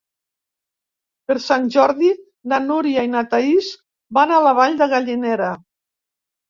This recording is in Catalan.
Per Sant Jordi na Núria i na Thaís van a la Vall de Gallinera.